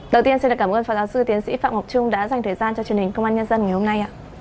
đầu tiên xin cảm ơn phó giáo sư tiến sĩ phạm ngọc trung đã dành thời gian cho truyền hình công an nhân dân ngày hôm nay